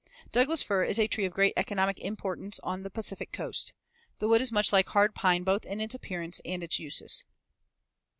Douglas fir is a tree of great economic importance on the Pacific Coast. The wood is much like hard pine both in its appearance and its uses.